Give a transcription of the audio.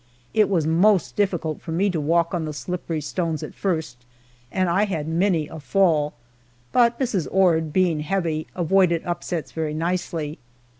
It was most difficult for me to walk on the slippery stones at first, and I had many a fall; but Mrs. Ord, being heavy, avoided upsets very nicely.